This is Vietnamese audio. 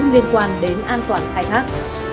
liên quan đến an toàn khai hát